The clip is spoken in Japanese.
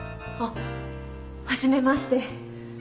あっはじめまして。